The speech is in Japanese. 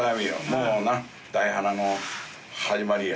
もうな大花の始まりや。